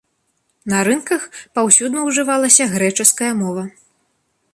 На рынках паўсюдна ўжывалася грэчаская мова.